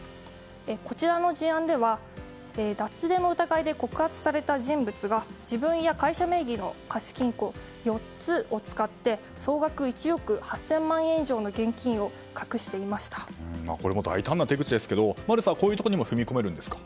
こちらの事案では脱税の疑いで告発された人物が自分や会社名義の貸金庫４つを使って総額１億８０００万円以上の現金をこれも大胆な手口ですけどマルサはこういうところにも踏み込めるんですか？